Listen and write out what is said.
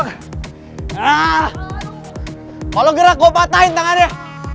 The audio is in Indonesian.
nah kalau gerak gue patahin tangannya